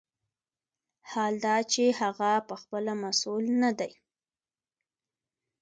حال دا چې هغه پخپله مسوول نه دی.